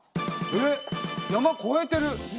えっ山越えてる。